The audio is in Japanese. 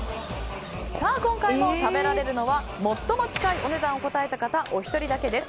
今回も食べられるのは最も近いお値段を答えた方お一人だけです。